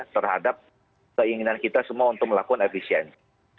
terhadap keinginan kita semua untuk melakukan efisiensi